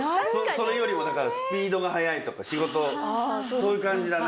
それよりもだからスピードが速いとか仕事そういう感じだな。